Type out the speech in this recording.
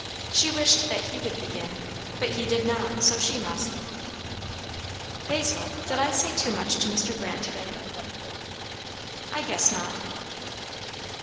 She wished that he would begin; but he did not, so she must. "Basil, did I say too much to Mr. Brandt to day?" "I guess not."